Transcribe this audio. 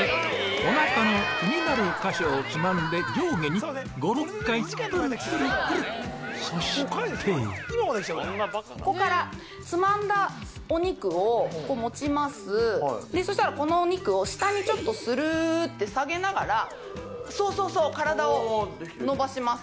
おなかの気になる箇所をつまんで上下に５６回ぷるぷるぷるそしてここからつまんだお肉を持ちますでそしたらこのお肉を下にちょっとスルーッて下げながらそうそうそう体を伸ばします